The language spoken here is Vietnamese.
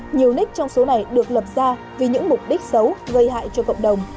nhiều nick trong số này được lập ra vì những mục đích xấu gây hại cho cộng đồng